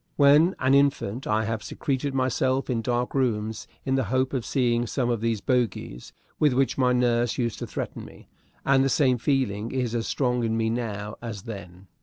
When an infant I have secreted myself in dark rooms in the hope of seeing some of those bogies with which my nurse used to threaten me; and the same feeling is as strong in me now as then.